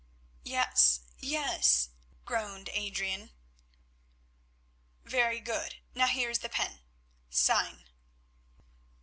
"Yes, yes," groaned Adrian. "Very good. Now here is the pen. Sign."